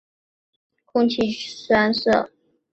将气体注射到血管中将会导致空气栓塞。